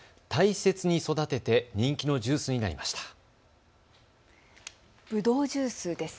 大切に育てて人気のジュースになりました。